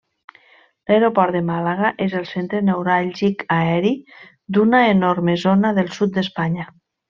L'aeroport de Màlaga és el centre neuràlgic aeri d'una enorme zona del sud d'Espanya.